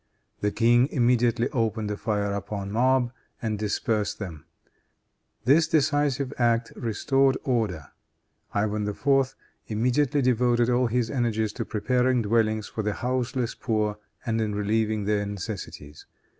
The king immediately opened a fire upon mob and dispersed them. This decisive act restored order. Ivan IV. immediately devoted all his energies to preparing dwellings for the houseless poor and in relieving their necessities.